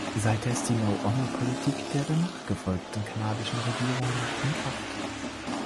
Seither ist die No-Honor-Politik der danach gefolgten kanadischen Regierungen in Kraft.